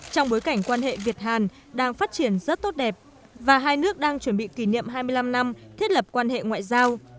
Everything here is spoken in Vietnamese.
trong bối cảnh quan hệ việt hàn đang phát triển rất tốt đẹp và hai nước đang chuẩn bị kỷ niệm hai mươi năm năm thiết lập quan hệ ngoại giao